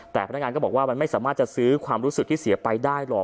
แต่พนักงานก็บอกว่ามันไม่สามารถจะซื้อความรู้สึกที่เสียไปได้หรอก